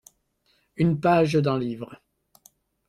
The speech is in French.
Une page d’un livre.